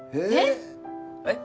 えっ！？